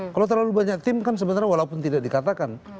kalau terlalu banyak tim kan sebenarnya walaupun tidak dikatakan